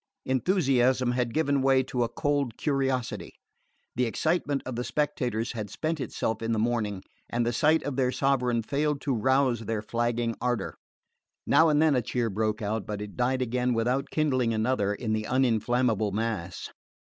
Enthusiasm had given way to a cold curiosity. The excitement of the spectators had spent itself in the morning, and the sight of their sovereign failed to rouse their flagging ardour. Now and then a cheer broke out, but it died again without kindling another in the uninflammable mass.